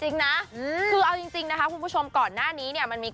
ซึ่งเจ้าตัวก็ยอมรับว่าเออก็คงจะเลี่ยงไม่ได้หรอกที่จะถูกมองว่าจับปลาสองมือ